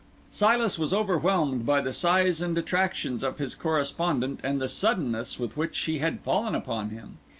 Silas was overwhelmed by the size and attractions of his correspondent and the suddenness with which she had fallen upon him.